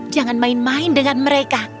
jangan main main dengan mereka